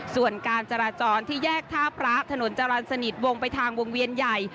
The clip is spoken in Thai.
ส่วนการจราจรที่แยกท่าพระถนนจรรย์สนิทวงไปทางวงเวียนใหญ่